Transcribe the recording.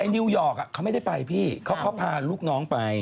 นิวยอร์กเขาไม่ได้ไปพี่เขาพาลูกน้องไป